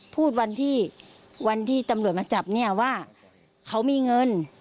พูดวันที่วันที่ตำรวจมาจับเนี่ยว่าเขามีเงิน